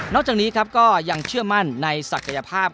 นอกจากนี้ก็ยังเชื่อมั่นในศักยภาพ